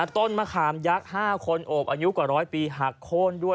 ต้นมะขามยักษ์๕คนโอบอายุกว่า๑๐๐ปีหักโค้นด้วย